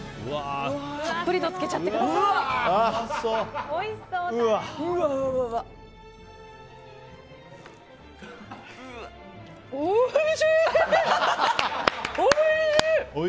たっぷりとつけちゃってください。